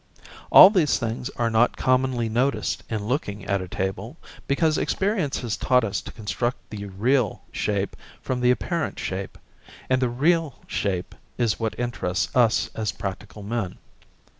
All these things are not commonly noticed in looking at a table, because experience has taught us to construct the 'real' shape from the apparent shape, and the 'real' shape is what interests us as practical men.